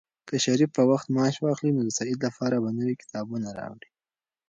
که شریف په وخت معاش واخلي، نو د سعید لپاره به نوي کتابونه راوړي.